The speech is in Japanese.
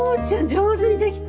上手にできた！